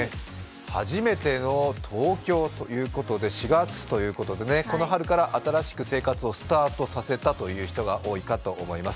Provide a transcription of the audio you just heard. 初めての東京ということで、４月ということでこの春から新しく生活をスタートさせた方が多いかと思います。